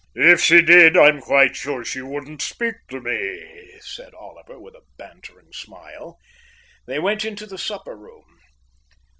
"If she did, I'm quite sure she wouldn't speak to me," said Oliver, with a bantering smile. They went into the supper room.